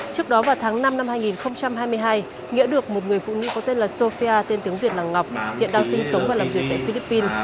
trước đó vào tháng năm năm hai nghìn hai mươi hai nghĩa được một người phụ nữ có tên là sofia tên tiếng việt là ngọc hiện đang sinh sống và làm việc tại philippines